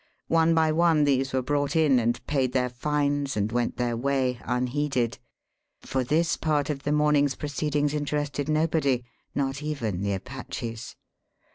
One by one these were brought in and paid their fines and went their way, unheeded; for this part of the morning's proceedings interested nobody, not even the Apaches.